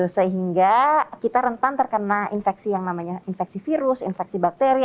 sehingga kita rentan terkena infeksi yang namanya infeksi virus infeksi bakteri